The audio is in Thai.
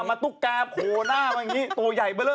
มาตุ๊กแก่โขลหน้าวววตัวใหญ่เบลอ